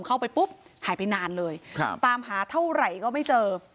เข้าไปปุ๊บหายไปนานเลยตามหาเท่าไหร่ก็ไม่เจอ